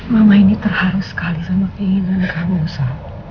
mama ini terharu sekali sama keinginan kamu sa